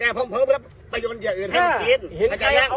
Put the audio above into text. แต่ผมเพิ่มไปประโยชน์เดียวอื่นให้กินเนี่ย